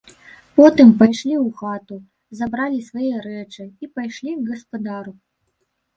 Потым пайшлі ў хату, забралі свае рэчы і пайшлі к гаспадару.